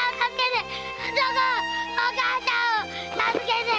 〔お母ちゃんを助けて！〕